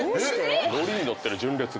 ノリに乗ってる純烈が。